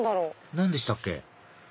何でしたっけ？